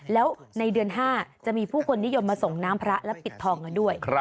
แล้วในเดือน๕จะมีผู้คนนิยมมาส่งน้ำพระและปิดทองกันด้วย